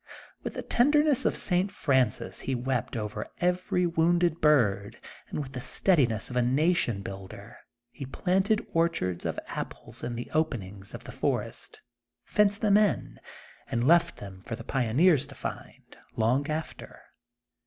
With the tenderness of St. Francis he wept over every wounded bird, and with the sterdiness of ^nation builder; he planted orchards of apples in the openings of the forest, fenced them in, and left them for the pioneers to find, long after.